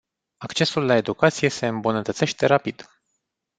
Accesul la educație se îmbunătățește rapid.